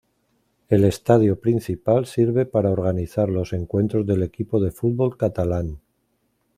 El estadio principal sirve para organizar los encuentros del equipo de fútbol catalán.